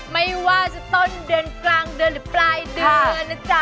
ไม่ว่าจะต้นเดือนกลางเดือนหรือปลายเดือนนะจ๊ะ